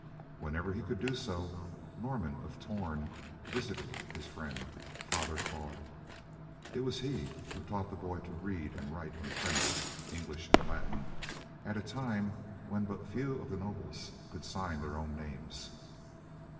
Whenever he could do so, Norman of Torn visited his friend, Father Claude. It was he who taught the boy to read and write in French, English and Latin at a time when but few of the nobles could sign their own names.